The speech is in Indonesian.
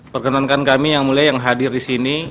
perkenankan kami yang mulia yang hadir disini